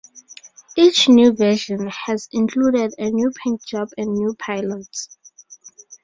Each new version has included a new paint job and new pilots.